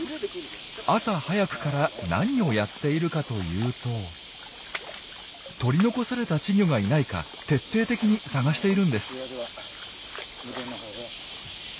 朝早くから何をやっているかというと取り残された稚魚がいないか徹底的に探しているんです。